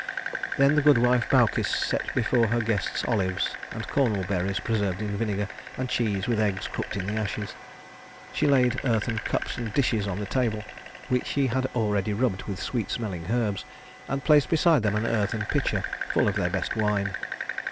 Then the good wife Baucis set before her guests olives, and cornel berries preserved in vinegar, and cheese, with eggs cooked in the ashes. She laid earthen cups and dishes on the table, which she had already rubbed with sweet smelling herbs, and placed beside them an earthen pitcher full of their best wine.